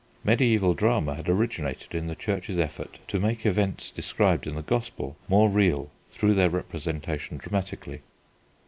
Mediæval drama had originated in the Church's effort to make events described in the gospel more real through their representation dramatically.